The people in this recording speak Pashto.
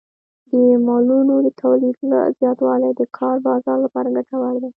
د مالونو د تولید زیاتوالی د کار بازار لپاره ګټور دی.